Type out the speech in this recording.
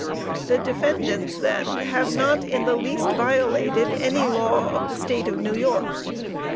The defendants, then, have not in the least violated any law of the State of New York.